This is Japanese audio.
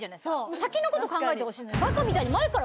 先のこと考えてほしいのに。